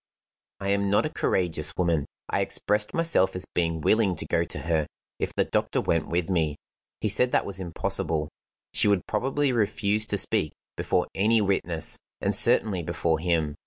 I am not a courageous woman; I expressed myself as being willing to go to her, if the doctor went with me. He said that was impossible; she would probably refuse to speak before any witness; and certainly before him.